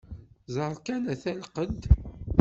Ẓer kan ata lqedd!